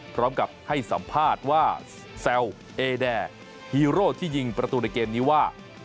พร้อมกับให้สัมภาษณ์ว่าแซวเอแดร์ฮีโร่ที่ยิงประตูในเกมนี้ว่า